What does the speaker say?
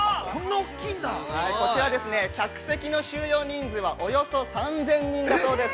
こちらですね、客席の収容人数はおよそ３０００人だそうです。